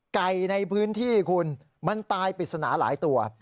ไก่ในพื้นที่คุณมันตายปริศนาหลายตัว